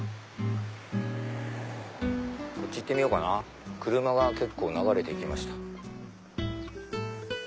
こっち行ってみようかな車が結構流れて行きました。